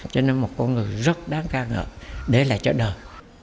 cho nên một con người rất đáng ca ngợp để lại cho đời